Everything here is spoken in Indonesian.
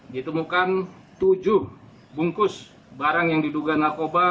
ditemukan tujuh bungkus barang yang diduga narkoba